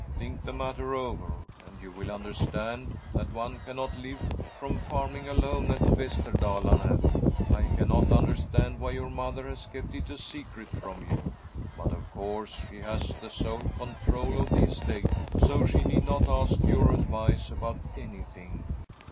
Think the matter over, and you will understand that one cannot live from farm ing alone at Vesterdalarne. I cannot understand why your mother has kept it a secret from you. But, of course, she has the sole control of the estate, so she need not ask your advice about any thing.